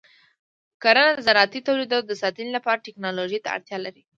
کرنه د زراعتي تولیداتو د ساتنې لپاره ټیکنالوژۍ ته اړتیا لري.